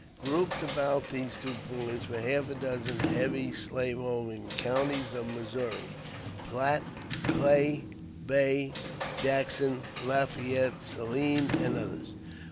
Grouped about these two points were half a dozen heavy slaveholding counties of Missouri, Platte, Clay, Bay, Jackson, Lafayette, Saline, and others.